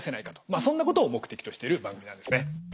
まあそんなことを目的としてる番組なんですね。